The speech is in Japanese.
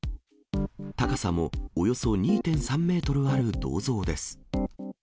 高さもおよそ２．３メートルある銅像です。